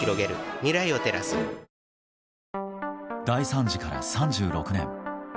大惨事から３６年。